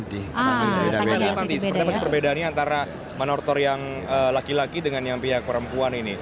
tentunya pas perbedaannya antara manortor yang laki laki dengan yang perempuan ini